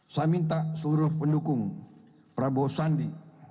saya minta seluruh pendukung prabowo sandi